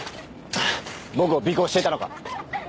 僕を尾行していたのか！